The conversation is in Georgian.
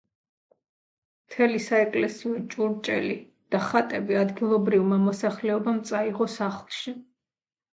მთელი საეკლესიო ჭურჭელი და ხატები ადგილობრივმა მოსახლეობამ წაიღო სახლში.